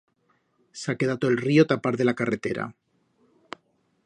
S'ha quedato el río ta part de la carretera.